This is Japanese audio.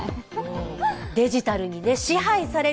デジタルに支配される。